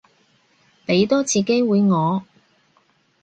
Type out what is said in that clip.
畀多次機會我